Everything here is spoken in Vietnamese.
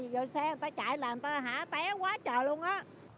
rồi xe người ta chạy là người ta hả té quá trời luôn á